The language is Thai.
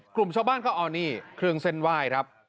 กลุ่มชาวบ้านเขาเอานี่เครื่องเส้นไหว้ครับ